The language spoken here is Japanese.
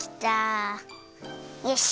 よし！